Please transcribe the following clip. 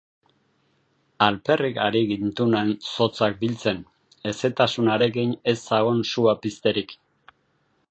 Alperrik ari gintunan zotzak biltzen, hezetasun harekin ez zagon sua pizterik.